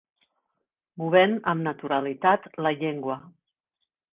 Movent amb naturalitat la llengua